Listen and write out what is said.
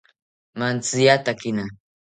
Mantziyatakina